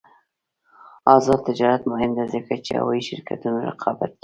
آزاد تجارت مهم دی ځکه چې هوايي شرکتونه رقابت کوي.